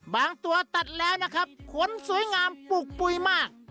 บางตัวตัดแล้วนะครับขนสวยงามปลูกปุ๋ยมาก